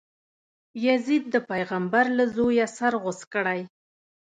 یزید د پیغمبر له زویه سر غوڅ کړی.